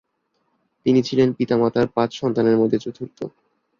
তিনি ছিলেন পিতামাতার পাঁচ সন্তানের মধ্যে চতুর্থ।